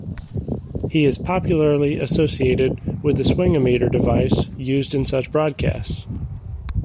He is popularly associated with the swingometer device used in such broadcasts.